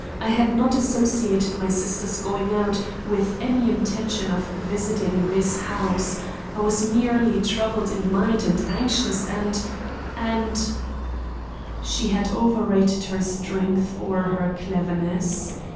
I had not associated my sister's going out with any intention of visiting this house; I was merely troubled in mind and anxious and—and—" She had overrated her strength or her cleverness.